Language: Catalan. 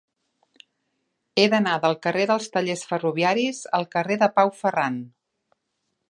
He d'anar del carrer dels Tallers Ferroviaris al carrer de Pau Ferran.